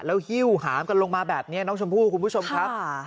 แล้วหิ้วหามกันลงมาแบบนี้น้องชมพู่คุณผู้ชมครับ